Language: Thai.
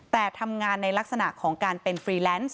แต่ทำงานในลักษณะของการเป็นฟรีแลนซ์